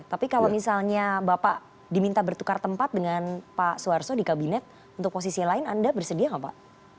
tapi kalau misalnya bapak diminta bertukar tempat dengan pak suarso di kabinet untuk posisi lain anda bersedia nggak pak